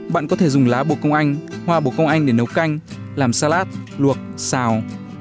bạn có thể dùng lá bồ công anh hoa bồ công anh để nấu canh làm salad luộc xào